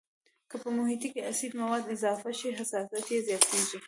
که په محیط کې اسیدي مواد اضافه شي حساسیت یې زیاتیږي.